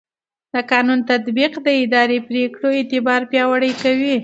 د قانون تطبیق د اداري پرېکړو اعتبار پیاوړی کوي.